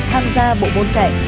tham gia bộ bôn chạy